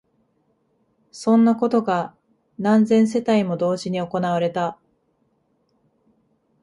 そんなことが何千世帯も同時に行われた